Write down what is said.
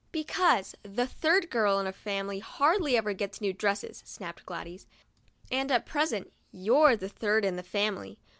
"Because the third girl in a family hardly ever gets new dresses," snapped Gladys; "and at present you're the third in the family.